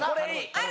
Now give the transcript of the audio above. ある！